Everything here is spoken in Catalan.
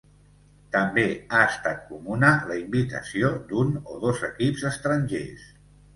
També ha estat comuna la invitació d'un o dos equips estrangers.